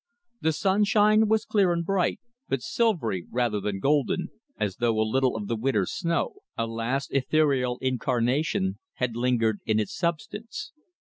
The sunshine was clear and bright, but silvery rather than golden, as though a little of the winter's snow, a last ethereal incarnation, had lingered in its substance.